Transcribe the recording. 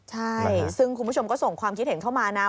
ใช่ซึ่งคุณผู้ชมก็ส่งความคิดเห็นเข้ามานะ